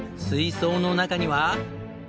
水槽の中には。